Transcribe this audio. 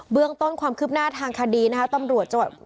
เบื้องต้นความคืบหน้าทางคดีนะครับ